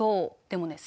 でもね